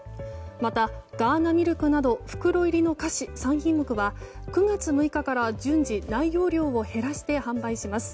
また、ガーナミルクなど袋入りの菓子３品目は９月６日から順次内容量を減らして販売します。